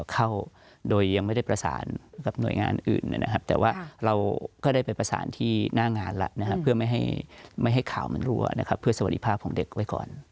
เข้าโดยยังไม่ได้ประสานกับหน่วยงานอื่นนะครับแต่ว่าเราก็ได้ไปประสานที่หน้างานแล้วนะครับเพื่อไม่ให้ข่าวมันรัวนะครับเพื่อสวัสดิภาพของเด็กไว้ก่อน